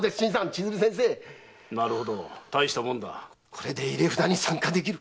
これで入札に参加できる。